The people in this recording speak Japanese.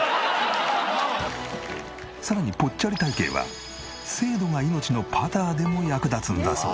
さらにぽっちゃり体形は精度が命のパターでも役立つんだそう。